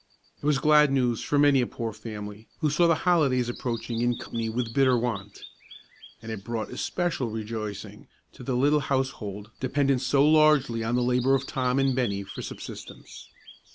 It was glad news for many a poor family, who saw the holidays approaching in company with bitter want; and it brought especial rejoicing to the little household dependent so largely on the labor of Tom and Bennie for subsistence.